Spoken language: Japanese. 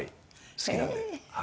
好きなんで。